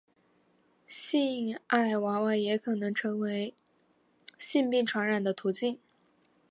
性爱娃娃也可能成为性病传染的途径。